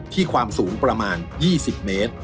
ความสูงประมาณ๒๐เมตร